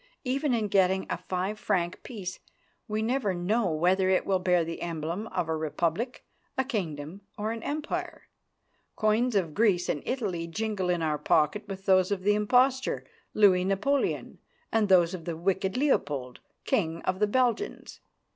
Even in getting a five franc piece we never know whether it will bear the emblem of a republic, a kingdom or an empire. Coins of Greece and Italy jingle in our pocket with those of the impostor, Louis Napoleon, and those of the wicked Leopold, King of the Belgians.